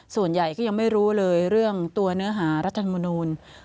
ส่วนใหญ่ก็ยังไม่รู้เลยเรื่องตัวเนื้อหารัฐธรรมนูล